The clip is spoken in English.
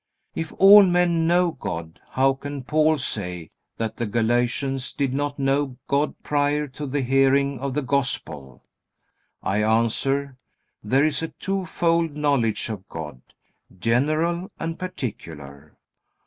If all men know God how can Paul say that the Galatians did not know God prior to the hearing of the Gospel? I answer: There is a twofold knowledge of God, general and particular.